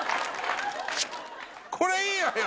これいいわよ！